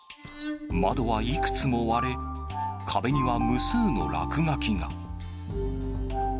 窓はいくつも割れ、壁には無数の落書きが。